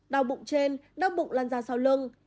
đau bụng trên đau bụng lan ra sau lưng